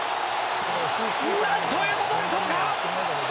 何ということでしょうか！